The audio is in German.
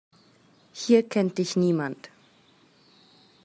Hier kennt dich niemand.